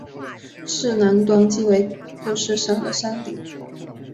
市南端即为富士山的山顶。